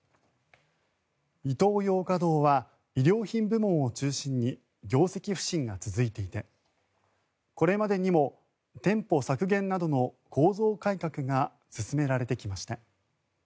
イトーヨーカ堂は衣料品部門を中心に業績不振が続いていてこれまでにも店舗削減などの構造改革が進められてきました。